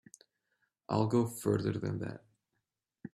I'll go further than that.